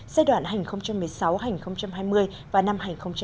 giai đoạn hai nghìn một mươi sáu hai nghìn hai mươi và năm hai nghìn hai mươi